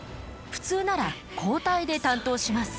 普通なら交代で担当します。